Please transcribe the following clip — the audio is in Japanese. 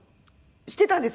していたんですよ。